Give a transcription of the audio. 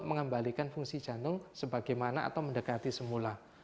mengembalikan fungsi jantung sebagaimana atau mendekati semula